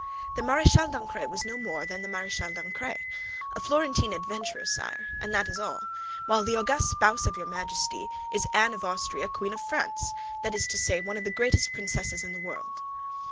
"The Maréchale d'Ancre was no more than the Maréchale d'Ancre. A Florentine adventurer, sire, and that was all; while the august spouse of your Majesty is Anne of Austria, Queen of France—that is to say, one of the greatest princesses in the world."